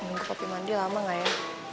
nunggu papi mandi lama nggak ya